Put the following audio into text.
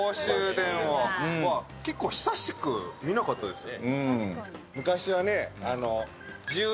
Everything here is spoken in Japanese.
結構久しく見なかったですよ。